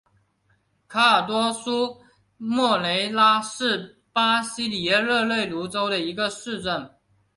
卡尔多苏莫雷拉是巴西里约热内卢州的一个市镇。